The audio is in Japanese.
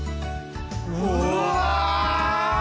うわ！